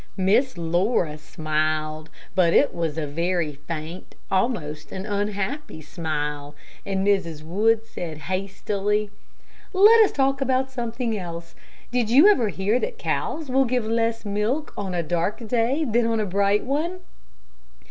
Miss Laura smiled, but it was a very faint, almost an unhappy smile, and Mrs. Wood said hastily, "Let us talk about something else. Did you ever hear that cows will give less milk on a dark day than on a bright one?"